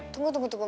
tunggu tunggu tunggu